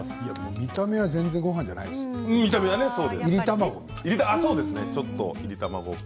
見た目は全然ごはんじゃないです、いり卵。